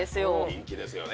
人気ですよね